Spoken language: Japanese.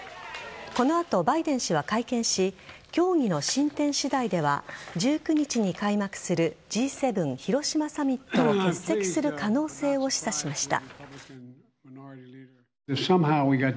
この後、バイデン氏は会見し協議の進展次第では１９日に開幕するＧ７広島サミットを欠席する可能性を示唆しました。